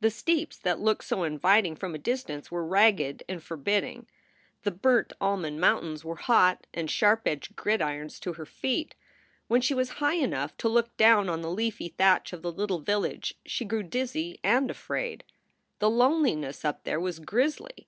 The steeps that looked so inviting from a distance were ragged and forbidding. The burnt almond mountains SOULS FOR SALE 157 were hot and sharp edged gridirons to her feet. When she was high enough to look down on the leafy thatch of the little village she grew dizzy and afraid. The loneliness up there was grisly.